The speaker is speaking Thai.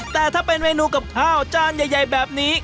แต่ถ้าเป็นเมนูกับข้าวจานใหญ่แบบนี้